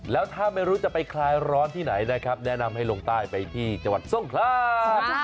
แล้วถ้าไม่รู้จะไปคลายร้อนที่ไหนนะครับแนะนำให้ลงใต้ไปที่จังหวัดทรงครา